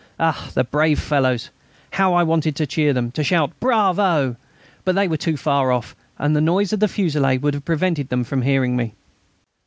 Ah! the brave fellows! How I wanted to cheer them, to shout "Bravo!" But they were too far off, and the noise of the fusillade would have prevented them from hearing me.